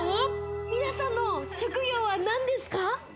皆さんの職業は何ですか？